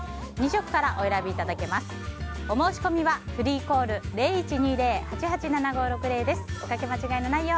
２色からお選びいただけます。